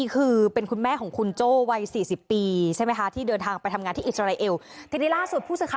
ช่วงมาเป็นห่วงลูก